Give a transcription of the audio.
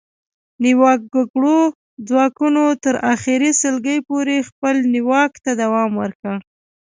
نیواکګرو ځواکونو تر اخري سلګۍ پورې خپل نیواک ته دوام ورکړ